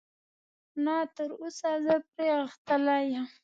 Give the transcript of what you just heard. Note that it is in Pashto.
نه، تراوسه زه پرې غښتلی یم.